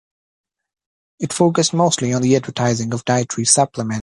It focused mostly on the advertising of dietary supplements.